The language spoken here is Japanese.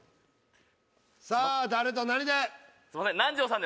さあ誰と何で？